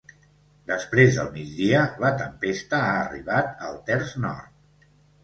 Després del migdia, la tempesta ha arribat al terç nord.